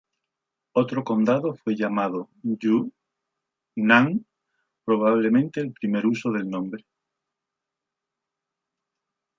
Otro condado fue llamado "Yunnan", probablemente el primer uso del nombre.